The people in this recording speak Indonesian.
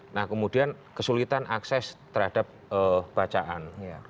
nah kemudian kesulitan akses terhadap bacaan